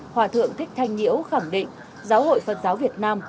hòa thượng thích thanh nhiễu khẳng định giáo hội phật giáo việt nam